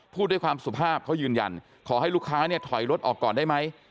พูดด้วยความสุภาพเขายืนยันขอให้ลูกค้าเนี่ยถอยรถออกก่อนได้ไหม